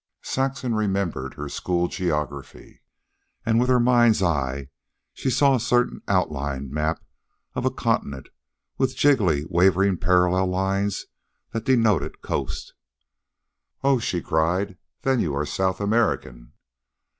Saxon remembered her school geography, and with her mind's eye she saw a certain outline map of a continent with jiggly wavering parallel lines that denoted coast. "Oh," she cried, "then you are South American."